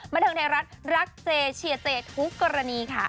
มาถึงในรักเจเชียร์เจทุกกรณีค่ะ